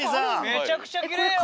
めちゃくちゃきれいよ。